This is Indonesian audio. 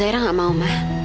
zaira gak mau ma